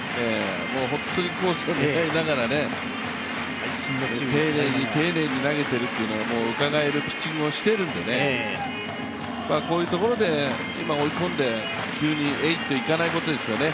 本当にコースを狙いながら、丁寧に丁寧に投げているというのがうかがえるピッチングをしているんでね、こういうところで今追い込んで急に、えいっといかないことですよね。